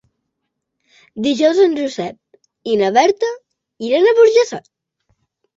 Dijous en Josep i na Berta iran a Burjassot.